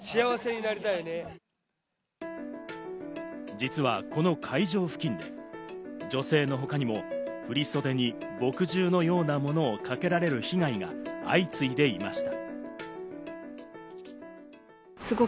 実はこの会場付近で女性のほかにも振り袖に墨汁のようなものをかけられる被害が相次いでいました。